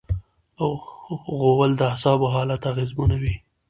غول د اعصابو حالت اغېزمنوي.